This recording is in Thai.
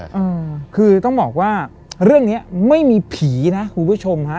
อืมคือต้องบอกว่าเรื่องเนี้ยไม่มีผีนะคุณผู้ชมฮะ